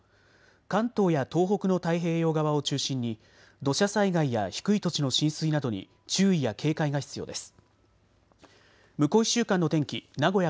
関東や東北の太平洋側を中心に土砂災害や低い土地の浸水などに注意や警戒が必要です。